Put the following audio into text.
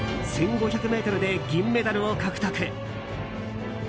１５００ｍで銀メダルを獲得。